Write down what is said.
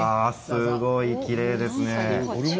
すごいきれいですね。